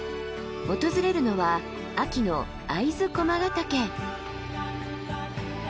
訪れるのは秋の会津駒ヶ岳。